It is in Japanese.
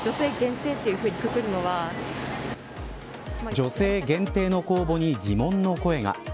女性限定の公募に疑問の声が。